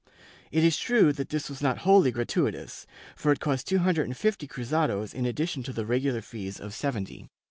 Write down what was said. It is true that this was not wholly gratuitous, for it cost two hundred and fifty cruzados in addition to the regular fees of seventy.